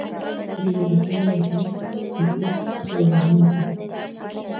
Rina kani apashpa kipita wamanipi.